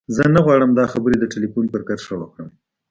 زه نه غواړم دا خبرې د ټليفون پر کرښه وکړم.